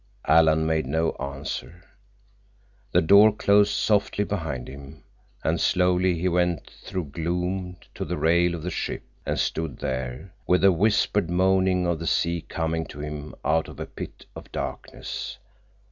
Alan made no answer. The door closed softly behind him, and slowly he went through gloom to the rail of the ship, and stood there, with the whispered moaning of the sea coming to him out of a pit of darkness.